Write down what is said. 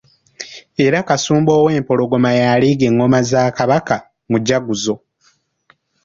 Era Kasumba owempologoma y'aleega engoma za Kabaka, Mujaguzo.